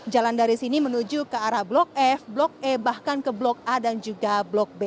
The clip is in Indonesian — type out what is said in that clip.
jalan dari sini menuju ke arah blok f blok e bahkan ke blok a dan juga blok b